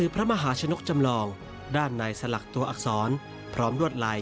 โปรดติดตามตอนต่อไป